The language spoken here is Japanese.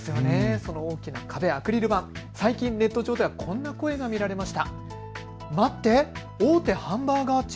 そのアクリル板、最近ネット上ではこんな声が見られました。